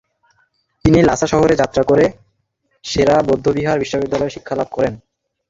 তিনি লাসা শহরে যাত্রা করে সে-রা বৌদ্ধবিহার বিশ্ববিদ্যালয়ে শিক্ষালাভ করেন।